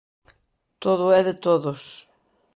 Todo é de todos.